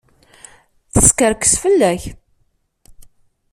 Teskerkes fell-ak.